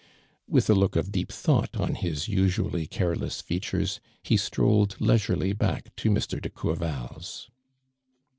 With a look of deep thought on hi:< usu ally careless features, lie strolled leisurely back to Mr. ile Courval's.